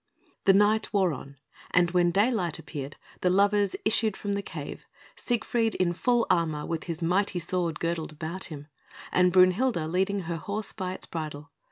The night wore on, and when daylight appeared the lovers issued from the cave: Siegfried, in full armour, with his mighty sword girdled about him, and Brünhilde leading her horse by its bridle.